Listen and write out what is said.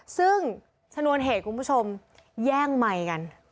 ซึ่งชนวนเหตุคุณผู้ชมแย่งไมค์กัน